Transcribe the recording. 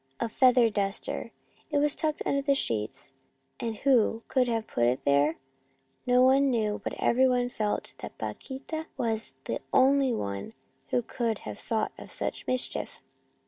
A feather duster! It was tucked under the sheets, and who could have put it there ? No one knew, but every one felt that Paquita was the only one who could have thought of such mischief.